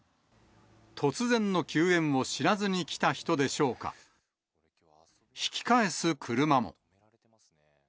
突然の休園を知らずに来た人でしょうか、引き返す車も。